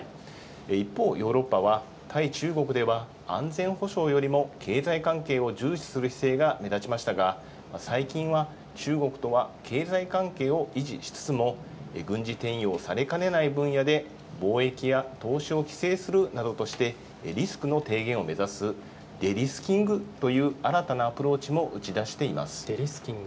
一方、ヨーロッパは対中国では安全保障よりも経済関係を重視する姿勢が目立ちましたが、最近は中国とは経済関係を維持しつつも、軍事転用されかねない分野で、貿易や投資を規制するとして、リスクの低減を目指す、デリスキングという新たなアプローチも打ち出しています。